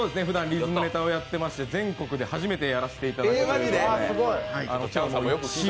歌ネタをやってまして、全国で初めてやらせていだたきます。